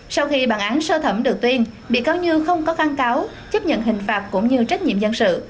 sau khi bản án sơ thẩm được tuyên bị cáo như không có kháng cáo chấp nhận hình phạt cũng như trách nhiệm dân sự